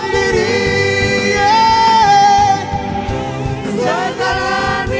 lebih baik disini rumah kita sendiri